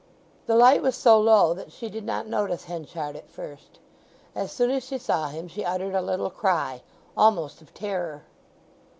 The light was so low that she did not notice Henchard at first. As soon as she saw him she uttered a little cry, almost of terror.